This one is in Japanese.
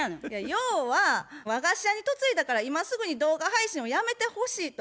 要は和菓子屋に嫁いだから今すぐに動画配信をやめてほしいと。